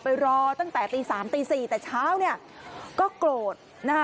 ไปรอตั้งแต่ตี๓๔แต่เช้าก็โกรธนะ